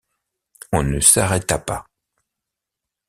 On ne s’arrêta pas.